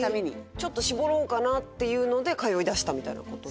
ちょっと絞ろうかなっていうので通いだしたみたいなことですか？